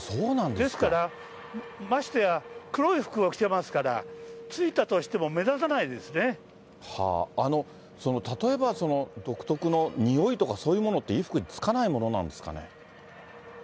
ですから、ましてや黒い服を着ていますから、その例えば、独特のにおいとか、そういうものって、衣服につかないものなんですかね。